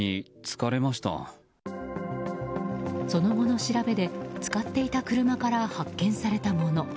その後の調べで使っていた車から発見されたもの。